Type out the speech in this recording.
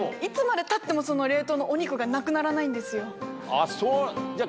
あっそうじゃあ。